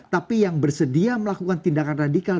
tapi yang bersedia melakukan tindakan radikal